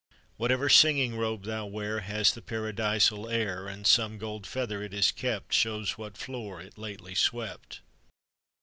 Whatever singing robe thou wear Has the paradisal air; And some gold feather it has kept Shows what Floor it lately swept.